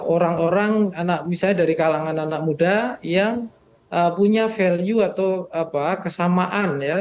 orang orang anak misalnya dari kalangan anak muda yang punya value atau kesamaan ya